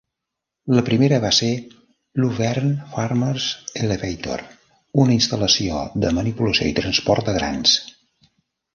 La primera va ser Luverne Farmers Elevator, una instal·lació de manipulació i transport de grans.